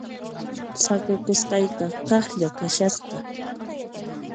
Saqikusqayqa kaqlla kashasqa.